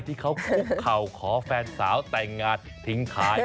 ที่เขาคุกเข่าขอแฟนสาวแต่งงานทิ้งท้าย